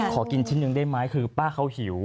ขอกินชิ้นหนึ่งได้ไหมคือป้าเขาหิว